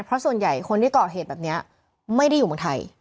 เพราะส่วนใหญ่คนที่ก่อเหตุแบบนี้ไม่ได้อยู่เมืองไทย